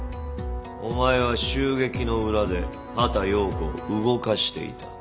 お前は襲撃の裏で畑葉子を動かしていた。